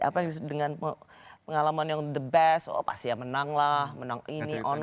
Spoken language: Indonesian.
apalagi dengan pengalaman yang the best oh pastinya menang lah menang ini ono